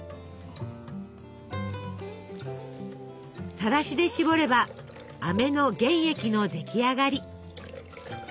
さらしでしぼればあめの原液の出来上がり。